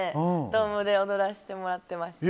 ドームで踊らせてもらってました。